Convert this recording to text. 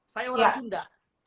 saya orang sunda